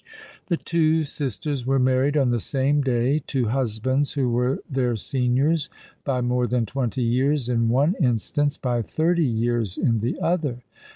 The two sisters were married on the same day to husbands who were their seniors by more than twenty years in one in stance, by thirty years in the other.